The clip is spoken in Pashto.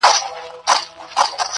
هبتو داسې د شریعت ډول وهي